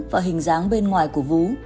và hình dáng bên ngoài của vú